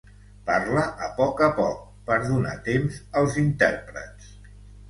Parla a poc a poc, per donar temps als intèrprets.